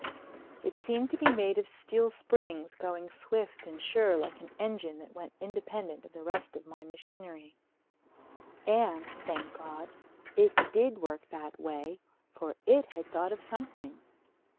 It seemed to be made of steel springs going swift and sure like an engine that went independent of the rest of my machinery. And, thank God, it did work that way, for it had thought of something!